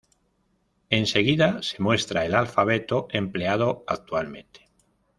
En seguida se muestra el alfabeto empleado actualmente.